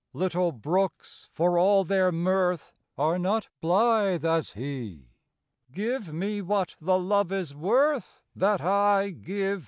Little brooks for all their mirth Are not blythe as he " Give me what the love is worth That I give thee.